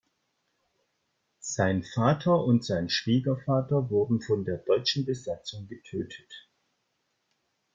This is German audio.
Sein Vater und sein Schwiegervater wurden von der deutschen Besatzung getötet.